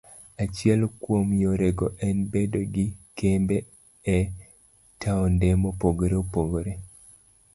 Achiel kuom yorego en bedo gi kembe e taonde mopogore opogore.